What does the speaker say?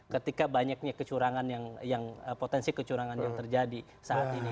ketika banyaknya kecurangan potensi kecurangan yang terjadi saat ini